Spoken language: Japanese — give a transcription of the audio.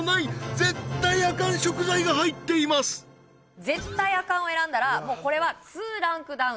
絶対アカンを選んだらもうこれは２ランクダウンです